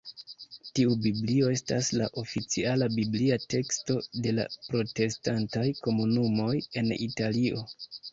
Tiu Biblio estas la oficiala biblia teksto de la protestantaj komunumoj en Italio.